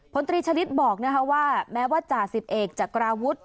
พลตรีชลิศบอกนะคะว่าแม้ว่าจ่าสิบเอกจากกราวุธ